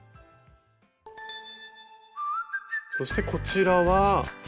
そしてこちらは。